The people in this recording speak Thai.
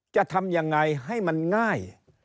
จะทำยังไงให้มันง่าย